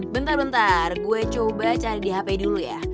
bentar bentar gue coba cari di hp dulu ya